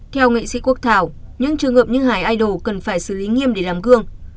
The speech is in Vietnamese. theo nghệ sĩ quốc thảo những trường hợp như hải idol cần phải xử lý nghiêm để làm gương